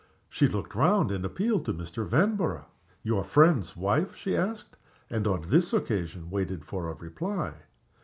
She looked round, and appealed to Mr. Vanborough. "Your friend's wife?" she asked, and, on this occasion, waited for a reply.